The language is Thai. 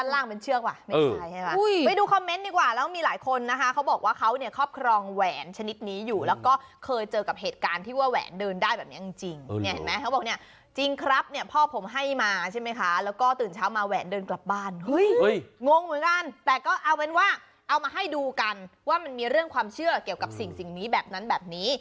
แต่ก็ถ้ามันเป็นแหวนหางช้างอ่ะขนหางช้างมันจะมีแม่เหล็กด้วยไง